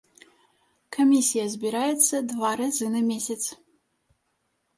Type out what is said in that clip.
Камісія збіраецца два разы на месяц.